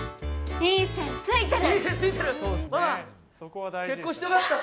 いい線ついてる。